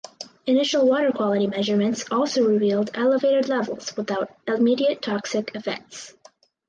Initial water quality measurements also revealed elevated levels without immediate toxic effects.